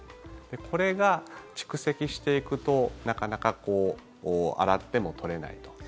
これが蓄積していくとなかなか洗っても取れないと。